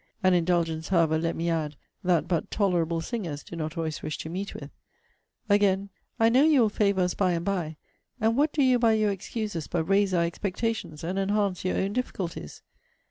An indulgence, however, let me add, that but tolerable singers do not always wish to meet with. Again, 'I know you will favour us by and by; and what do you by your excuses but raise our expectations, and enhance your own difficulties?'